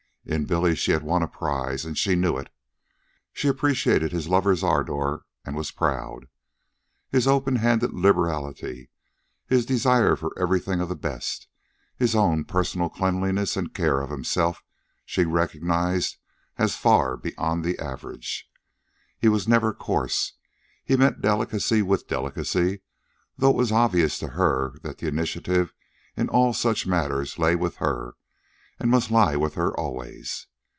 In Billy she had won a prize, and she knew it. She appreciated his lover's ardor and was proud. His open handed liberality, his desire for everything of the best, his own personal cleanliness and care of himself she recognized as far beyond the average. He was never coarse. He met delicacy with delicacy, though it was obvious to her that the initiative in all such matters lay with her and must lie with her always.